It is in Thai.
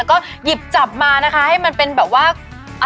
ก็หยิบจับมานะคะให้มันเป็นแบบว่า